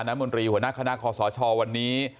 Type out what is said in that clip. มนตรีหัวหน้าคณะคอสชวันนี้